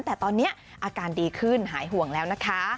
แต่ตอนนี้อาการดีขึ้นหายห่วงแล้วนะคะ